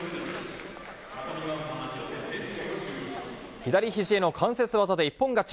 左ひじへの関節技で一本勝ち。